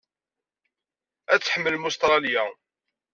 Ad tḥemmlem Ustṛalya.